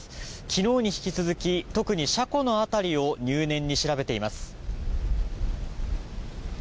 昨日に引き続き特に車庫の辺りを入念に調べています。